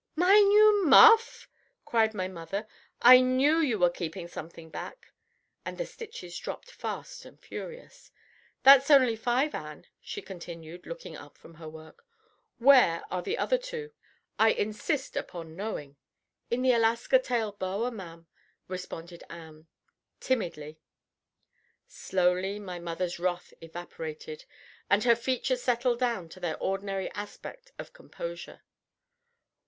"My new muff!" cried my mother. "I knew you were keeping something back." And the stitches dropped fast and furious. "That's only five, Ann," she continued, looking up from her work. "Where are the other two? I insist upon knowing." "In the Alaska tail boa, ma'am," responded Ann, timidly. Slowly my mother's wrath evaporated, and her features settled down to their ordinary aspect of composure.